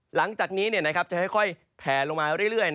หลังจากนี้จะค่อยแผลลงมาเรื่อย